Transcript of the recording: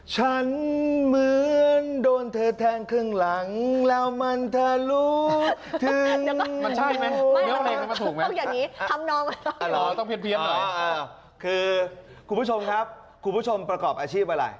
คุณผู้ชมครับคุณผู้ชมประกอบอาชีพอะไร